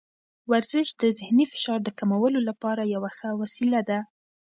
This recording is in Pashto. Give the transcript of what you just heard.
ورزش د ذهني فشار د کمولو لپاره یوه ښه وسیله ده.